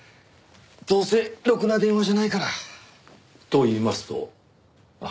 どうせろくな電話じゃないから。と言いますと？